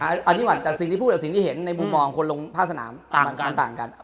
อเจมส์อันนี้หวัดกับสิ่งที่พูดแล้วสิ่งที่เห็นในมุมมองคนลงภาษณามันต่างกัน